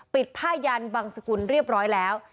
ผ้ายันบังสกุลเรียบร้อยแล้ว